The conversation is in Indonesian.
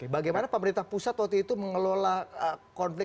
bagaimana pemerintah pusat waktu itu mengelola konflik